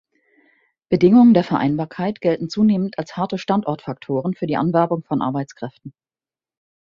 Bedingungen der Vereinbarkeit gelten zunehmend als harte Standortfaktoren für die Anwerbung von Arbeitskräften.